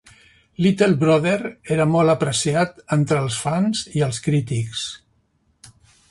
Little Brother era molt apreciat entre els fans i els crítics.